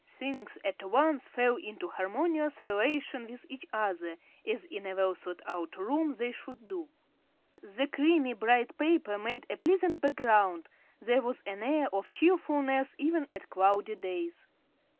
Things at once fell into harmonious relation with each other, as in a well thought out room they should do. The creamy, bright paper made a pleasant background; there was an air of cheerfulness even on cloudy days.